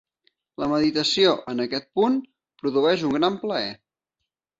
La meditació en aquest punt produeix un gran plaer.